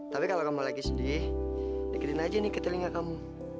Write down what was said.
tapi kalau kamu lagi sedih deketin aja nih ke telinga kamu